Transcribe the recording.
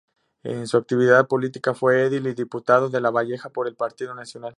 En su actividad política fue edil y diputado de Lavalleja por el Partido Nacional.